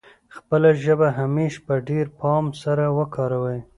خپله ژبه همېش په ډېر پام سره وکاروي.